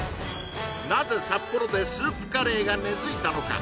なぜ札幌でスープカレーが根付いたのか？